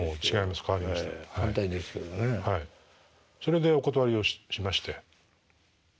それでお断りをしましてまた。